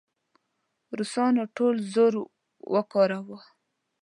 روسانو ټول زور وکاراوه.